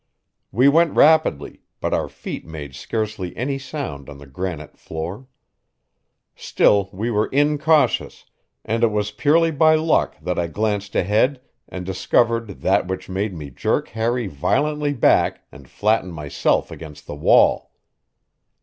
We went rapidly, but our feet made scarcely any sound on the granite floor. Still we were incautious, and it was purely by luck that I glanced ahead and discovered that which made me jerk Harry violently back and flatten myself against the wall.